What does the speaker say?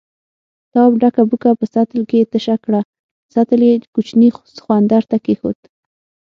تواب ډکه بوکه په سطل کې تشه کړه، سطل يې کوچني سخوندر ته کېښود.